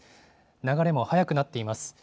流れも速くなっています。